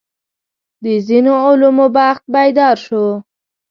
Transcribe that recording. د ځینو علومو بخت بیدار شو.